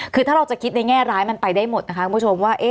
คือถ้าเราจะคิดในแง่ร้ายมันไปได้หมดนะคะคุณผู้ชมว่า